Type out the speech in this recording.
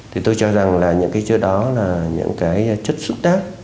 thì tôi cho rằng là những cái chỗ đó là những cái chất xúc tác